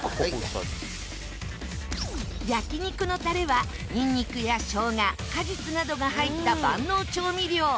焼肉のタレはニンニクやしょうが果実などが入った万能調味料。